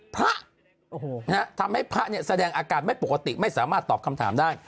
พระทำให้พระเนี่ยแสดงอาการไม่ปกติไม่สามารถตอบคำถามได้